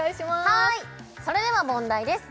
はーいそれでは問題です